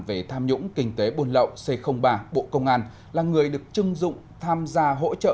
về tham nhũng kinh tế buôn lậu c ba bộ công an là người được chưng dụng tham gia hỗ trợ